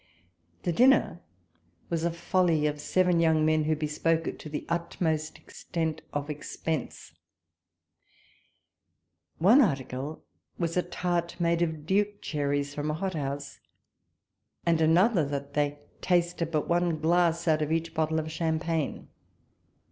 The dinner was a folly of seven young men, who 02 WALPOLE S LETTERS. bespoke it to the utmost extent of expense : one article was a tart made of duke cherries from a hot house ; and another, that they tasted but one glass out of each bottle of champagne.